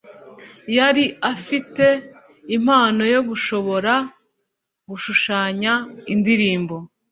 Yari afite impano yo gushobora gushushanya indirimbo.